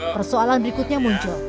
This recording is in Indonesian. persoalan berikutnya muncul